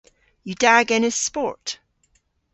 Yw da genes sport?